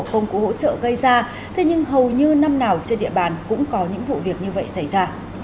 công cụ hỗ trợ gây ra thế nhưng hầu như năm nào trên địa bàn cũng có những vụ việc như vậy xảy ra